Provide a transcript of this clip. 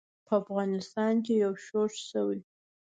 په افغانستان کې یو ښورښ شوی.